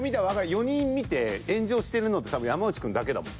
４人見て炎上してるのって多分山内くんだけだもん。